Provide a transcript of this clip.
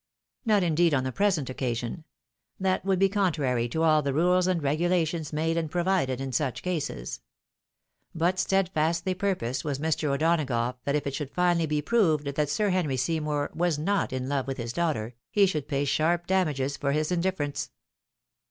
Not indeed on the present occasion ; that would be contrary to aU the rules and regulations made and provided in such cases; but steadfastly purposed was Mr. O'Donagough that if it should finally be proved that Sir Henry Seymour was not in love with his daughter, he should pay sharp damages for his indifference.